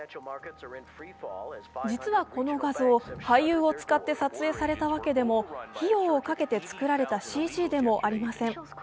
実はこの画像、俳優を使って撮影されたわけでも、費用をかけて作られたＣＧでもありません。